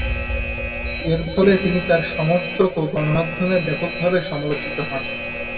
এরফলে তিনি তার সমর্থক ও গণমাধ্যমে ব্যাপকভাবে সমালোচিত হন।